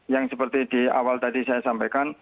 yang seperti di awal tadi saya sampaikan